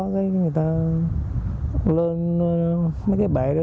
cái người ta lên mấy cái bệ đó